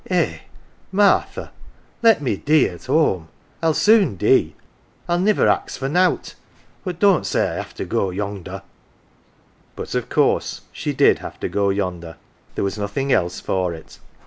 Eh, Martha, let me dee at home ! Til soon dee 111 niver ax for nowt ; but don^t say I have to go yonder !" But of course she did have to go yonder : there was nothing else for it.